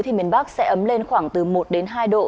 thì miền bắc sẽ ấm lên khoảng từ một đến hai độ